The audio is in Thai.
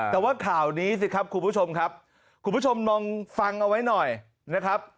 แต่ว่าข่าวนี้สิครับคุณผู้ชมครับคุณผู้ชมลองฟังเอาไว้หน่อยนะครับ